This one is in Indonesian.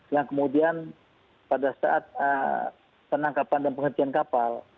yang kemudian pada saat penangkapan dan penghentian kapal